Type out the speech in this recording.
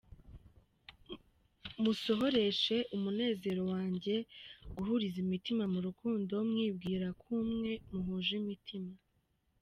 Musohoreshe umunezero wanjye guhuriza imitima mu rukundo, mwibwira kumwe muhuje imitima.